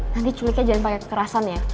nanti culiknya jangan pake kerasan ya